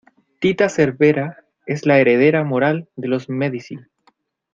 Tita Cervera es la heredera moral de los Medici.